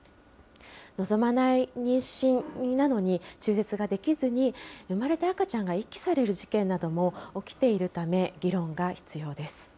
望まない妊娠なのに、中絶ができずに産まれた赤ちゃんが遺棄される事件なども起きているため、議論が必要です。